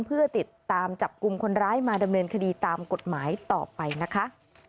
เพื่อติดตามจับกลุ่มคนร้ายมาดำเนินคดีตามกฎหมายต่อไปนะคะ